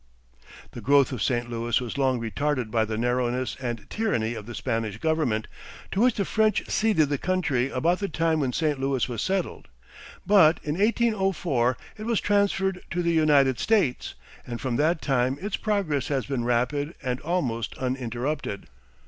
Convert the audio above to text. The growth of St. Louis was long retarded by the narrowness and tyranny of the Spanish government, to which the French ceded the country about the time when St. Louis was settled. But in 1804 it was transferred to the United States, and from that time its progress has been rapid and almost uninterrupted.